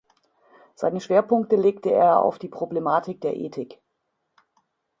Seine Schwerpunkte legte er auf die Problematik der Ethik.